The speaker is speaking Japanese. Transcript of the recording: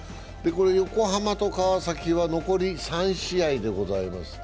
横浜と川崎は残り３試合でございます。